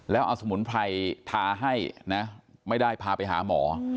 แล้วเอาสมุนไพรทาให้นะไม่ได้พาไปหาหมอ